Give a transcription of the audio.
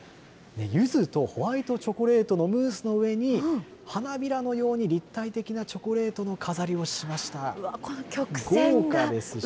ゆずとホワイトチョコレートのムースの上に、花びらのように立体的なチョコレートの飾りをしまし